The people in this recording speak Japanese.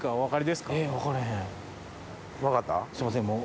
すいませんもう。